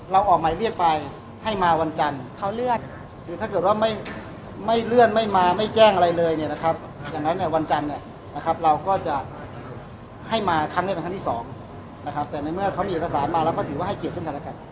เราเอาหมายเรียกไปให้มาวันจันทร์ขอบคุณมาคุณมาคุณ